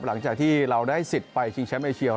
หลังจากที่เราได้สิทธิ์ไปชิงแชมป์เอเชีย